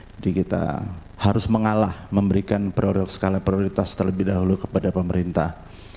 jadi kita harus mengalah memberikan skala prioritas terlebih dahulu kepada pemerintah